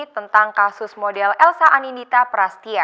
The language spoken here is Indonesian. tentang kasus model elsa anindita prastia